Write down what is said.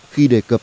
khi đề cập